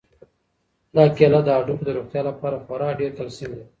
دا کیله د هډوکو د روغتیا لپاره خورا ډېر کلسیم لري.